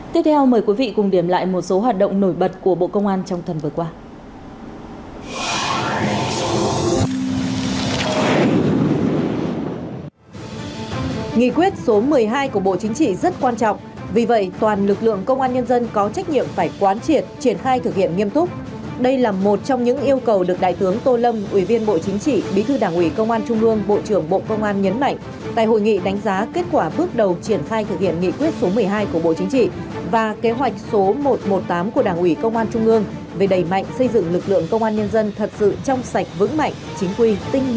tiếp theo mời quý vị cùng điểm lại một số hoạt động nổi bật của bộ công an trong tuần vừa qua